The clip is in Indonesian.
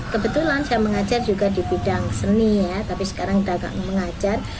kebetulan saya mengajar juga di bidang seni tapi sekarang tidak mengajar